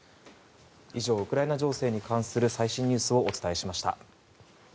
以上ウクライナ情勢に関する最新ニュースをお伝えしました。